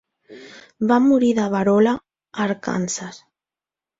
Va morir de verola a Arkansas.